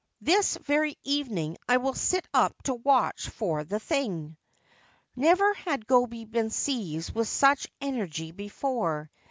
This very evening I will sit up to watch for the thing.' Never had Gobei been seized with such energy before.